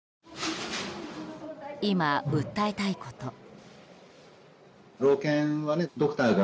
今、訴えたいこと。